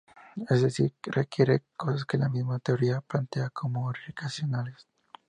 Es decir, requiere cosas que la misma teoría plantea como irracionales.